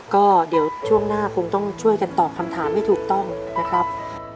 ก็เดี๋ยวช่วงหน้าคงต้องช่วยกันตอบคำถามให้ถูกต้องนะครับ